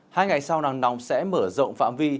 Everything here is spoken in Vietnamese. hai ngày sau nắng nóng sẽ mở rộng phạm vi